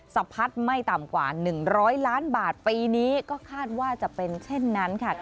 สะพัดไม่ต่ำกว่า๑๐๐ล้านบาทปีนี้ก็คาดว่าจะเป็นเช่นนั้นค่ะ